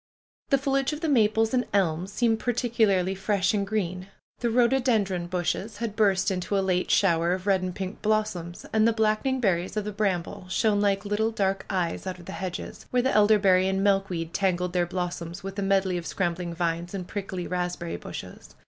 The foliage of the maples and elms seemed particularly fresh and green. The rhododendron bushes had burst into a late shower of red and pink blossoms. And the blackening berries of the bramble shone like little dark eyes out of the hedges, where the elderberry and milk weed tangled their blossoms with a medley of scram bling vines and prickly raspberry bushes.